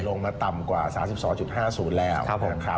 ลงมาต่ำกว่า๓๒๕๐แล้วนะครับ